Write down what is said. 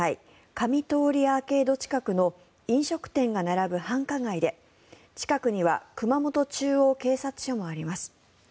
上通アーケード近くの飲食店が並ぶ繁華街で近くには熊本中央警察署もあります。